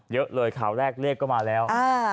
เยอะเลยข่าวแรกเลขก็มาแล้ว